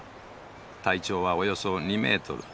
体長はおよそ２メートル。